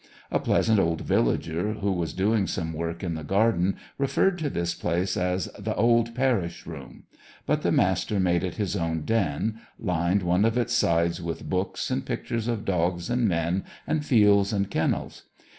A pleasant old villager who was doing some work in the garden referred to this place as "th'old parish room," but the Master made it his own den, lined one of its sides with books, and pictures of dogs and men, and fields and kennels.